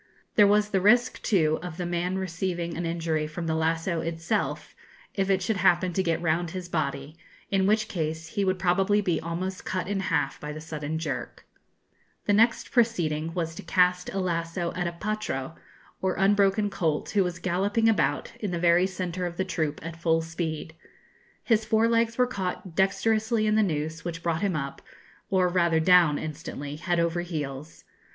There was the risk too of the man receiving an injury from the lasso itself, if it should happen to get round his body, in which case he would probably be almost cut in half by the sudden jerk. [Illustration: Lassoing Horses.] The next proceeding was to cast a lasso at a potro, or unbroken colt, who was galloping about in the very centre of the troop, at full speed. His fore legs were caught dexterously in the noose, which brought him up, or rather down, instantly, head over heels.